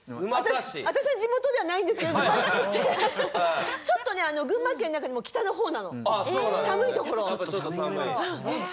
私の地元ではないんですけど沼田市ってちょっと群馬県の中でも北の方の寒いところ。